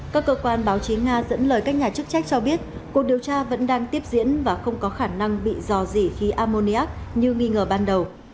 các cơ quan báo chí nga dẫn lời các nhà chức trách cho biết cuộc điều tra vẫn đang tiếp diễn và không có khả năng bị dò dỉ khi ammonia như nghi ngờ ban đầu